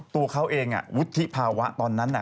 ตัวเขาเองวุฒิภาวะตอนนั้น